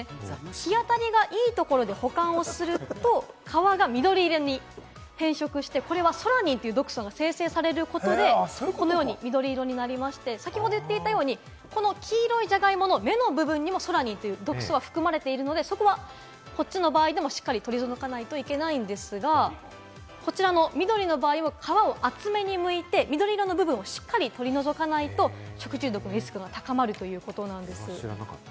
日当たりがいいところで保管をすると、皮が緑色に変色して、これはソラニンという毒素が生成されることで、緑色になりまして、先ほど言っていたように、黄色いジャガイモの芽の部分にもソラニンという毒素が含まれているので、そこはこっちの場合でもしっかり取り除かないといけないんですが、こちらの緑の場合は皮を厚めにむいて緑色の部分をしっかり取り除かないと食中毒のリスクが高まるということです。